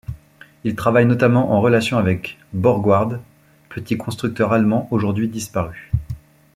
Il travaille notamment en relation avec Borgward, petit constructeur allemand aujourd'hui disparu.